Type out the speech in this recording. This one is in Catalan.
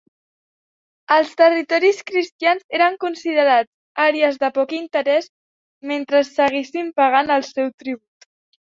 Els territoris cristians eren considerats àrees de poc interès mentre seguissin pagant el seu tribut.